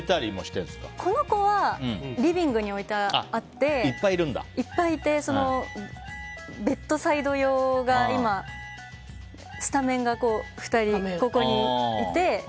この子はリビングに置いてあっていっぱいいて、ベッドサイド用がスタメンが２人、ここにいて。